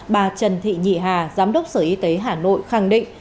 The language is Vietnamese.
bà trần thị nhị hà giám đốc sở y tế hà nội khẳng định